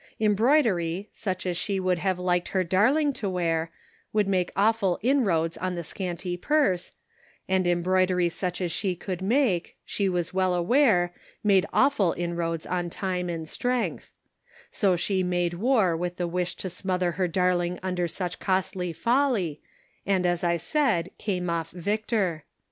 Embroidery, such as she would have liked her darling to wear, would make awful inroads on the scanty purse, and embroidery such as she could make, she was well aware, made awful inroads on time and strength ; so she made war with the wish to smother her darling under such costly folly, and as I said, came off victor.